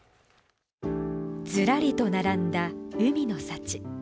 ずらりと並んだ海の幸。